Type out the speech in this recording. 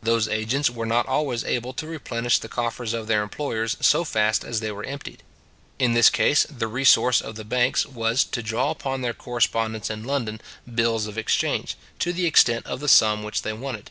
Those agents were not always able to replenish the coffers of their employers so fast as they were emptied. In this case, the resource of the banks was, to draw upon their correspondents in London bills of exchange, to the extent of the sum which they wanted.